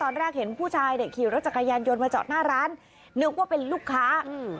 นักที่ราชกายารยนต์มาจอดหน้าร้านนึกว่าเป็นลูกค้า